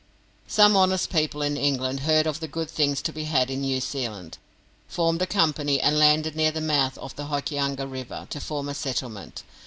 Some honest people in England heard of the good things to be had in New Zealand, formed a company, and landed near the mouth of the Hokianga River to form a settlement.